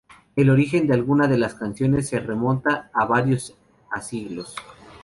El origen de alguna de las canciones se remonta a varios a siglos.